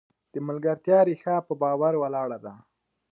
د ملګرتیا ریښه په باور ولاړه ده.